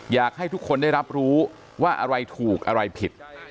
อยากให้ทุกคนได้รับรู้ว่าอะไรถูกอะไรผิด